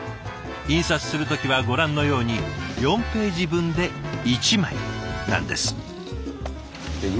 印刷する時はご覧のように４ページ分で１枚なんです。